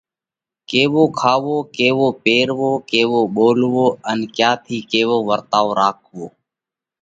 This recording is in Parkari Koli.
ڪيوو کاوو، ڪيوو پيروو، ڪيوو ٻولوو ان ڪيا ٿِي ڪيوو ورتائو راکوو۔